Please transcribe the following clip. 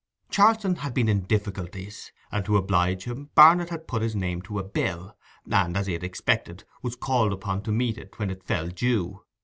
Charlson had been in difficulties, and to oblige him Barnet had put his name to a bill; and, as he had expected, was called upon to meet it when it fell due.